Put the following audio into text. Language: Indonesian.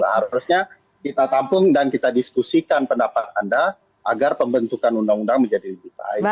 harusnya kita tampung dan kita diskusikan pendapat anda agar pembentukan undang undang menjadi lebih baik